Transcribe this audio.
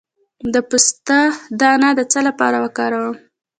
د پسته دانه د څه لپاره وکاروم؟